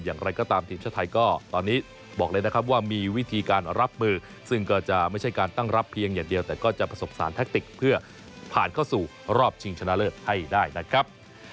อย่างไรก็ตามทีมชาติไทยก็ตอนนี้บอกเลยนะครับว่ามีวิธีการรับมือซึ่งก็จะไม่ใช่การตั้งรับเพียงอย่างเดียวแต่ก็จะผสมสารแทคติกเพื่อผ่านเข้าสู่รอบชิงชนะเลิศให้ได้นะครับ